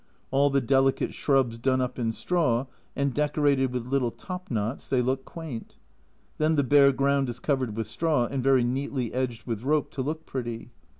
All the delicate shrubs done up in straw, and decorated with little top knots, they look quaint. Then the bare ground is covered with straw, and very neatly edged with rope to look pretty.